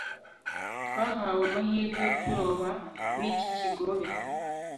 twahawe amahirwe yo kuroba muri iki kigobe